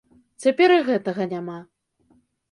Цяпер і гэтага няма.